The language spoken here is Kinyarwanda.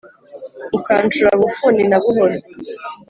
ukancura bufuni na buhoro